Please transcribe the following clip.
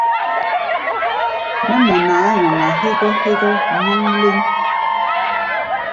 Nɛ́ mɔ nʼaá nyɔŋa hégɔ́ hégɔ́ nyɔ́ŋ léŋ.